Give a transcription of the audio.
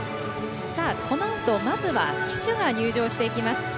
このあと、まずは旗手が入場してきます。